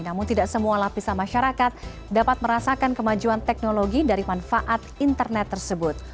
namun tidak semua lapisan masyarakat dapat merasakan kemajuan teknologi dari manfaat internet tersebut